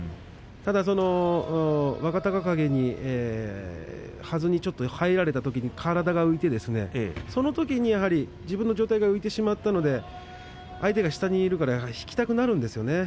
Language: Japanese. ただ若隆景にはずにちょっと入られたときに体が浮いてそのとき自分の上体が浮いてしまったので相手が下にいるからやっぱり引きたくなるんですよね。